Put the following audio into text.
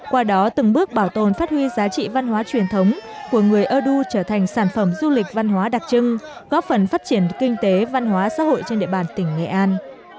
qua đó từng bước bảo tồn phát huy giá trị văn hóa truyền thống của người ơ đu trở thành sản phẩm du lịch văn hóa đặc trưng góp phần phát triển kinh tế văn hóa xã hội trên địa bàn tỉnh nghệ an